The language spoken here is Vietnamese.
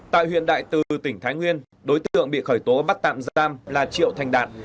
tại huyện đại từ tỉnh thái nguyên đối tượng bị khởi tố bắt tạm giam là triệu thành đạt